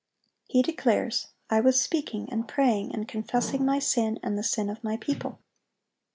He declares, "I was speaking, and praying, and confessing my sin and the sin of my people."